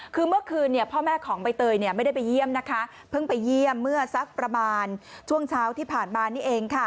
คือเมื่อคืนพ่อแม่ของใบเตยไม่ได้ไปเยี่ยมนะคะเพิ่งไปเยี่ยมเมื่อสักประมาณช่วงเช้าที่ผ่านมานี่เองค่ะ